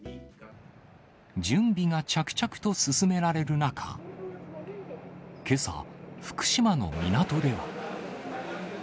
準備が着々と進められる中、けさ、福島の港では。